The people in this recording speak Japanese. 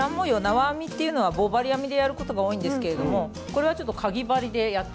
縄編みっていうのは棒針編みでやることが多いんですけれどもこれはちょっとかぎ針でやってみました。